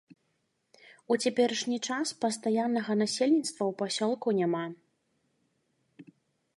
У цяперашні час пастаяннага насельніцтва ў пасёлку няма.